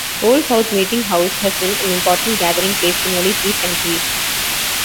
Old South Meeting House has been an important gathering place for nearly three centuries.